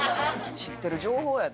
知ってる情報やで。